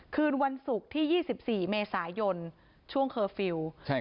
คืนวันศุกร์ที่๒๔เมษายนช่วงเคอร์ฟิลล์